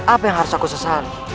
apa yang harus aku sesal